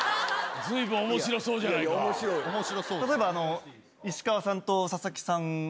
例えば石川さんと佐々木さんが。